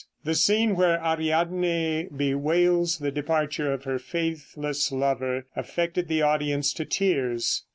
The scene where Ariadne bewails the departure of her faithless lover affected the audience to tears.